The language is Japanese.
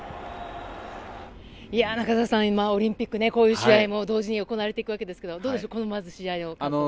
中澤さん、オリンピックはこういう試合も同時に行われていくわけですがどうでしょうまず、この試合の感想を。